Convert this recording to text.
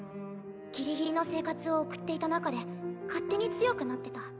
ギリギリの生活を送っていたなかで勝手に強くなってた。